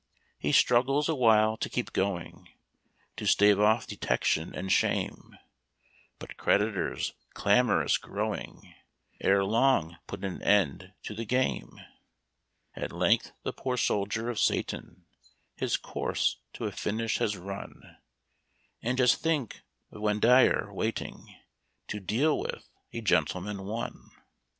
He struggles awhile to keep going, To stave off detection and shame; But creditors, clamorous growing, Ere long put an end to the game. At length the poor soldier of Satan His course to a finish has run And just think of Windeyer waiting To deal with "A Gentleman, One"!